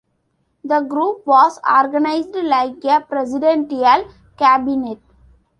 The group was organized like a presidential cabinet.